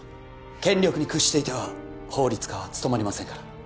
権力に屈していては法律家は務まりませんから